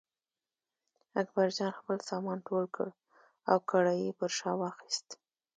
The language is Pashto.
اکبرجان خپل سامان ټول کړ او کړایی یې پر شا واخیست.